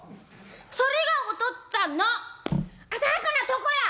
それがおとっつぁんの浅はかなとこや！」。